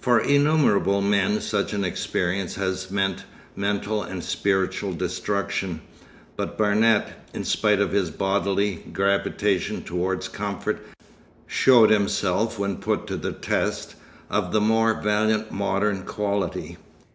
For innumerable men such an experience has meant mental and spiritual destruction, but Barnet, in spite of his bodily gravitation towards comfort, showed himself when put to the test, of the more valiant modern quality.